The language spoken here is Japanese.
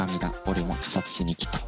俺も自殺しに来た。